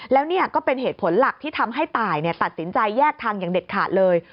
แล้วนี่ก็เป็นเหตุผลหลักที่ทำให้ตายตัดสินใจแยกทางอย่างเด็ดขาดเลย